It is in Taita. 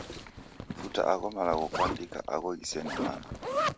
Futa agho malagho kwaandika aho ghisene mana.